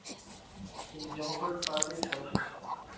তিনি ডেমোক্র্যাট পার্টির সদস্য ছিলেন।